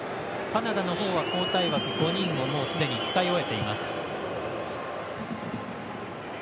カナダのほうは交代枠５人をもうすでに使い終えています。